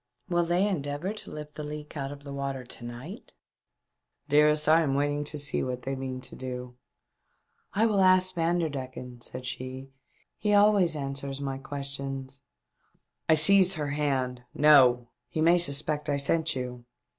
" Will they endeavour to lift the leak out of water to night ?"" Dearest, I am waiting to see what they mean to do." " I will ask Vanderdecken," said she, " he always answers my questions." I seized her hand. " No! He may sus pect I sent you.